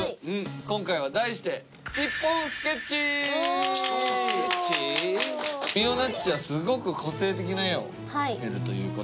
今回は題して未央奈ッチはすごく個性的な絵を描けるということで。